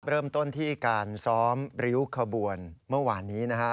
เริ่มต้นที่การซ้อมริ้วขบวนเมื่อวานนี้นะฮะ